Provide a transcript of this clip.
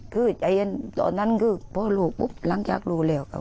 คือใจเย็นตอนนั้นคือเพราะลูกปุ๊บล้างจากรูแล้ว